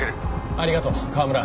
ありがとう河村。